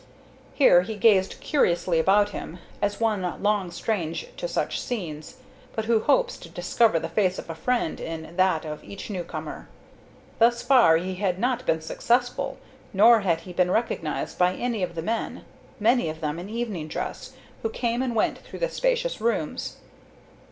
Here he gazed curiously about him, as one long strange to such scenes, but who hopes to discover the face of a friend in that of each new comer. Thus far he had not been successful, nor had he been recognized by any of the men, many of them in evening dress, who came and went through the spacious rooms.